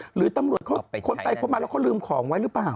หรือตำรวจเขาค้นไปค้นมาแล้วเขาลืมของไว้หรือเปล่า